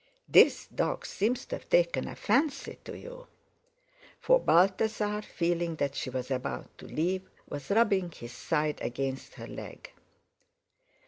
This dog seems to have taken a fancy to you." For Balthasar, feeling that she was about to leave, was rubbing his side against her leg.